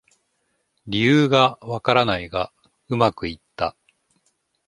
理由がわからないがうまくいった